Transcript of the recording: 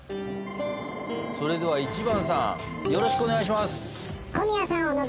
それでは１番さんよろしくお願いします。